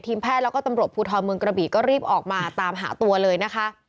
แพทย์แล้วก็ตำรวจภูทรเมืองกระบีก็รีบออกมาตามหาตัวเลยนะคะ